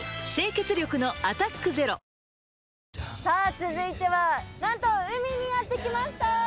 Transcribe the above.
さあ続いては何と海にやって来ました。